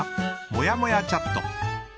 もやもやチャット。